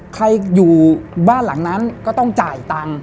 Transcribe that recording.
ใครอยู่บ้านหลังนั้นก็ต้องจ่ายตังค์